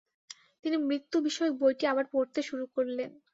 তিনি মৃত্যু-বিষয়ক বইটি আবার পড়তে শুরু করলেন।